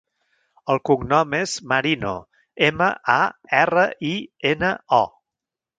El cognom és Marino: ema, a, erra, i, ena, o.